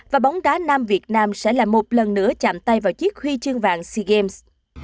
và bóng đá nam việt nam sẽ là một lần nữa chạm tay vào chiếc huy chương vàng sea games